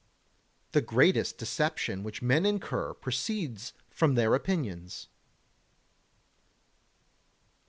39. The greatest deception which men incur proceeds from their opinions.